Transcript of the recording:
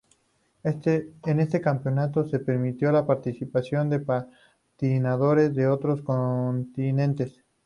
En este campeonato se permitió la participación de patinadores de otros continentes.